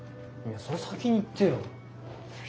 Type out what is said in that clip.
それ先に言ってよ。